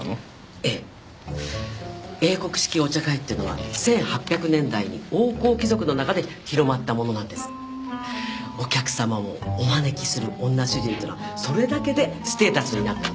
ええ英国式お茶会ってのは１８００年代に王侯貴族の中で広まったものなんですお客さまをお招きする女主人というのはそれだけでステータスになったんです